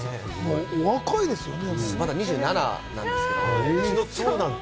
お若いですよね。